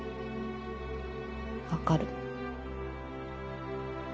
分かる。